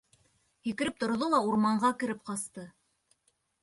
Һикереп торҙо ла урманға кереп ҡасты.